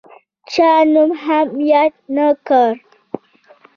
چا نوم هم یاد نه کړ.